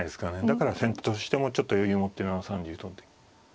だから先手としてもちょっと余裕を持って７三竜取って。